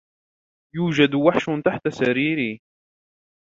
يوجد وحش تحت سريري.